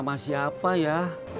sama siapa ya